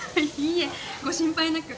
いえご心配なく。